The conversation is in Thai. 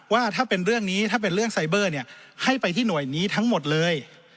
ว่าถ้าเป็นเรื่องนี้ถ้าเป็นเรื่องไซเบอร์เนี่ยให้ไปที่หน่วยนี้ทั้งหมดเลย